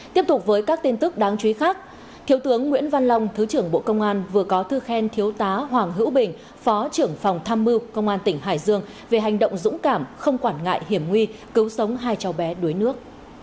tiếp tục với các tin tức đáng chú ý khác thiếu tướng nguyễn văn long thứ trưởng bộ công an vừa có thư khen thiếu tá hoàng hữu bình phó trưởng phòng tham mưu công an tỉnh hải dương về hành động dũng cảm không quản ngại hiểm nguy cứu sống hai cháu bé đuối nước